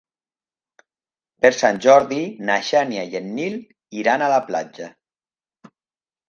Per Sant Jordi na Xènia i en Nil iran a la platja.